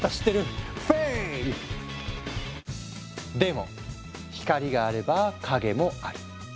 でも光があれば影もある。